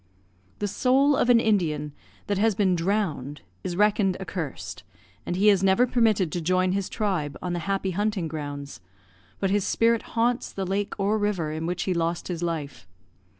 The soul of an Indian that has been drowned is reckoned accursed, and he is never permitted to join his tribe on the happy hunting grounds, but his spirit haunts the lake or river in which he lost his life.